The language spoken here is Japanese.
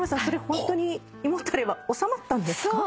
ホントに胃もたれは治まったんですか？